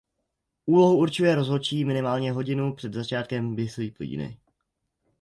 Úlohu určuje rozhodčí minimálně hodinu před začátkem disciplíny.